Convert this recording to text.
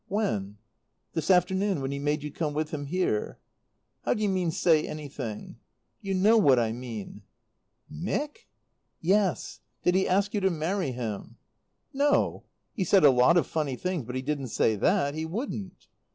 "When?" "This afternoon, when he made you come with him here?" "How do you mean, 'say anything'?" "You know what I mean." "Mick?" "Yes. Did he ask you to marry him?" "No. He said a lot of funny things, but he didn't say that. He wouldn't."